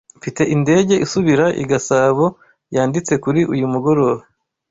Mfite indege isubira i Gasabo yanditse kuri uyu mugoroba.